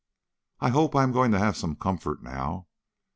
I hope I am going to have some comfort now.